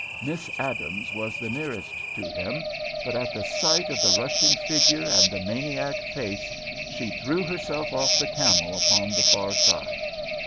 Miss Adams was the nearest to him, but at the sight of the rushing figure and the maniac face she threw herself off the camel upon the far side.